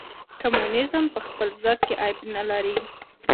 کمونیزم په خپل ذات کې عیب نه لري.